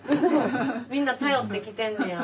みんな頼ってきてんねや。